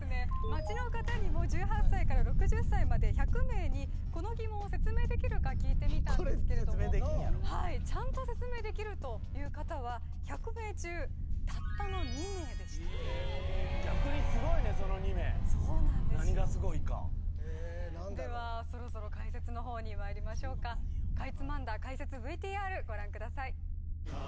街の方にも１８歳から６０歳まで１００名にこの疑問を説明できるか聞いてみたこれ説明できんやろちゃんと説明できるという方は１００名中たったの２名でしたえっ逆にすごいねその２名そうなんです何がすごいかえっ何だろうではそろそろ解説の方にまいりましょうかご覧ください